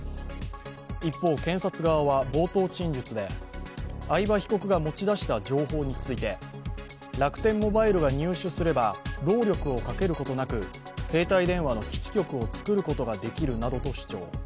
一方検察側は冒頭陳述で、合場被告が持ち出した情報について、楽天モバイルが入手すれば労力をかけることなく携帯電話の基地局をつくることができるなどと主張。